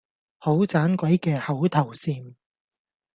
好盞鬼嘅口頭禪